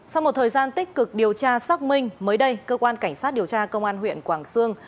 sau một thời gian tích cực điều tra xác minh mới đây cơ quan cảnh sát điều tra công an huyện quảng sương